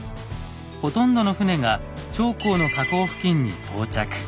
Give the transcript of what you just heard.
ほとんどの船が長江の河口付近に到着。